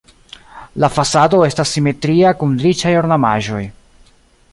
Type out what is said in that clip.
La fasado estas simetria kun riĉaj ornamaĵoj.